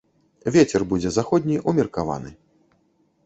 Вецер будзе заходні, умеркаваны.